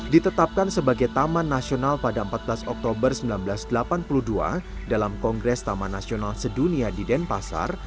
ditetapkan sebagai taman nasional pada empat belas oktober seribu sembilan ratus delapan puluh dua dalam kongres taman nasional sedunia di denpasar